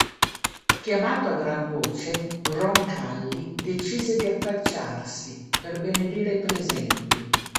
Chiamato a gran voce, Roncalli decise di affacciarsi, per benedire i presenti.